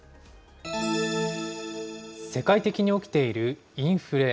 世界的に起きているインフレ。